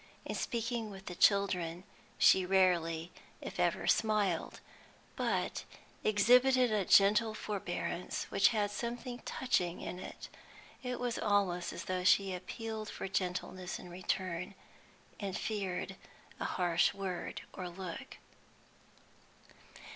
In speaking with the children she rarely if ever smiled, but exhibited a gentle forbearance which had something touching in it; it was almost as though she appealed for gentleness in return, and feared a harsh word or look.